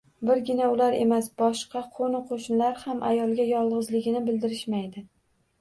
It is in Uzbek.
Birgina ular emas, boshqa qoʻni-qoʻshnilar ham ayolga yolgʻizligini bildirishmaydi